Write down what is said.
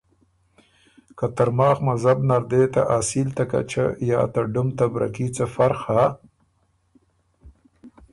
که ترماخ مذهب نر دې ته اصیل ته کچه یا ته ډُم ته بره کي څه فرخ هۀ؟